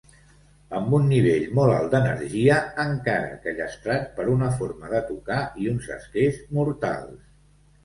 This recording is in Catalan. Amb un nivell molt alt d"energia, encara que llastrat per una forma de tocar i uns esquers mortals.